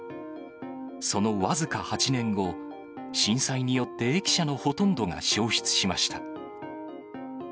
その僅か８年後、震災によって駅舎のほとんどが焼失しました。